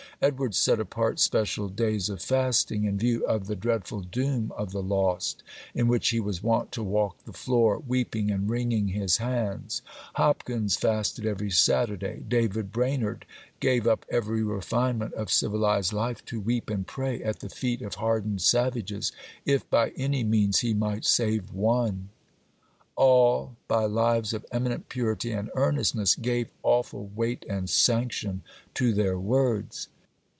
Edwards set apart special days of fasting, in view of the dreadful doom of the lost, in which he was wont to walk the floor, weeping and wringing his hands. Hopkins fasted every Saturday. David Brainerd gave up every refinement of civilized life to weep and pray at the feet of hardened savages, if by any means he might save one. All, by lives of eminent purity and earnestness, gave awful weight and sanction to their words.